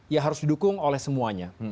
ya harus didukung oleh semuanya